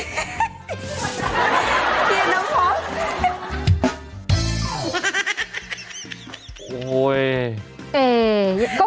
เทียนแล้วพร้อม